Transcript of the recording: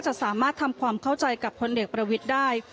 จะสามารถทำความเข้าใจกับพลเอกประวิทย์ได้